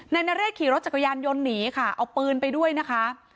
นายนเรศขี่รถจักรยานยนต์หนีค่ะเอาปืนไปด้วยนะคะ